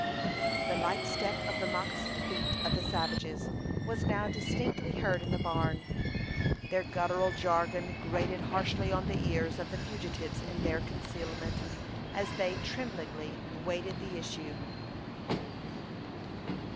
The light step of the moccasoned feet of the savages was now distinctly heard in the barn. Their guttural jargon grated harshly on the ears of the fugitives in their concealment, as they tremblingly waited the issue.